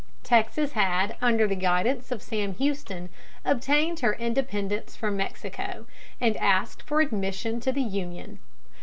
] Texas had, under the guidance of Sam Houston, obtained her independence from Mexico, and asked for admission to the Union.